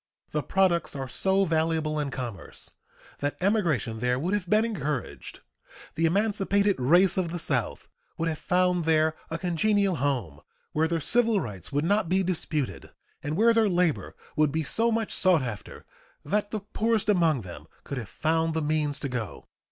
The products are so valuable in commerce that emigration there would have been encouraged; the emancipated race of the South would have found there a congenial home, where their civil rights would not be disputed and where their labor would be so much sought after that the poorest among them could have found the means to go.